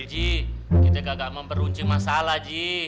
ji kita gak mau beruncing masalah ji